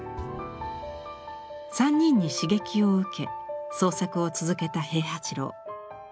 ３人に刺激を受け創作を続けた平八郎。